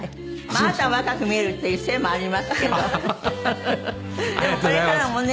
あなたが若く見えるっていうせいもありますけど。